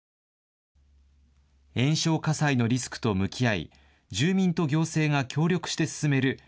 延焼火災のリスクと向き合い住民と行政が協力して進める